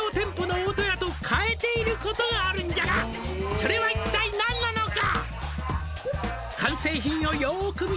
「それは一体何なのか？」